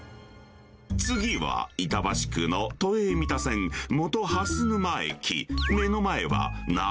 次は、板橋区の都営三田線本蓮沼駅。